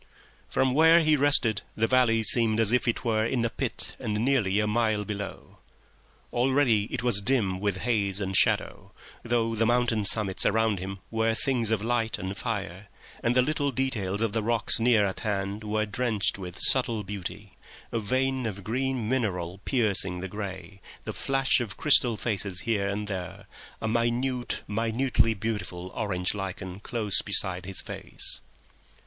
From where he rested the valley seemed as if it were in a pit and nearly a mile below. Already it was dim with haze and shadow, though the mountain summits around him were things of light and fire. The mountain summits around him were things of light and fire, and the little things in the rocks near at hand were drenched with light and beauty, a vein of green mineral piercing the grey, a flash of small crystal here and there, a minute, minutely beautiful orange lichen close beside his face.